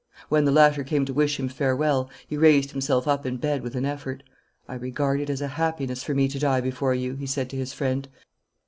When the latter came to wish him farewell, he raised himself up in bed with an effort. 'I regard it as a happiness for me to die before you,' he said to his friend.